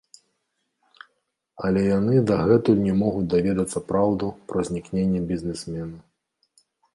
Але яны дагэтуль не могуць даведацца праўду пра знікненне бізнесмена.